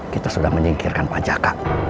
kita sudah menyingkirkan pajak